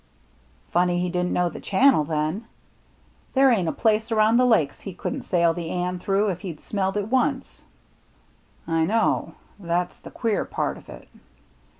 " Funny he didn't know the channel then. There ain't a place around the Lakes he couldn't sail the Anne through if he'd smelled it once." " I know. That's the queer part of it.